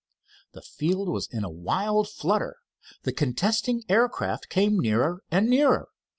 The field was in a wild flutter. The contesting aircraft came nearer and nearer.